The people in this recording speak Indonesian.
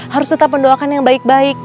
harus tetap mendoakan yang baik baik